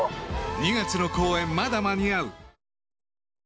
２月の公演、まだ間に合う。